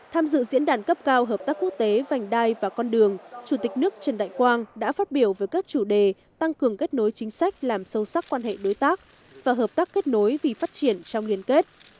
tham dự diễn đàn cấp cao hợp tác quốc tế vành đai và con đường chủ tịch nước trần đại quang đã phát biểu với các chủ đề tăng cường kết nối chính sách làm sâu sắc quan hệ đối tác và hợp tác kết nối vì phát triển trong liên kết